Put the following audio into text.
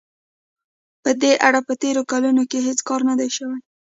په دې اړه په تېرو کلونو کې هېڅ کار نه دی شوی.